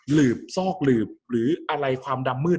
หรือซอกหลืบหรืออะไรความดำมืด